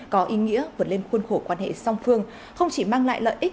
có ý nghĩa vượt lên khuôn khổ quan hệ song phương không chỉ mang lại lợi ích